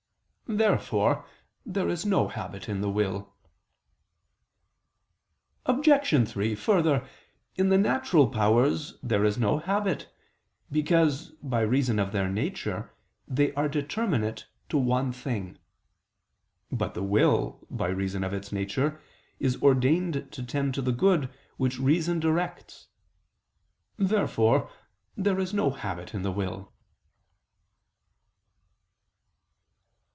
Therefore there is no habit in the will. Obj. 3: Further, in the natural powers there is no habit, because, by reason of their nature, they are determinate to one thing. But the will, by reason of its nature, is ordained to tend to the good which reason directs. Therefore there is no habit in the will.